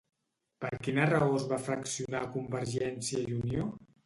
Per quina raó es va fraccionar Convergiència i Unió?